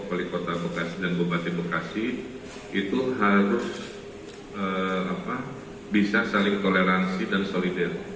wali kota bekasi dan bupati bekasi itu harus bisa saling toleransi dan solidar